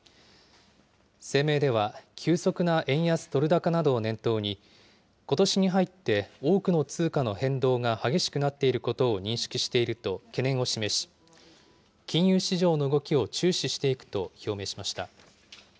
声明では、急速な円安ドル高などを念頭に、ことしに入って多くの通貨の変動が激しくなっていることを認識していると懸念を示し、金融市場の動きを注視していくと表明しました。